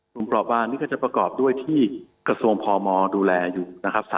ปลอบวางนี่ก็จะประกอบด้วยที่กระทรวงพมดูแลอยู่นะครับ